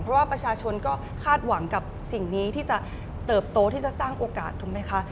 เพราะว่าประชาชนก็คาดหวังกับสิ่งนี้ที่จะเติบโตที่จะสร้างโอกาสถูกไหมคะ